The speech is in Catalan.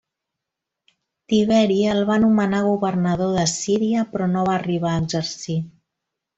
Tiberi el va nomenar governador de Síria però no va arribar a exercir.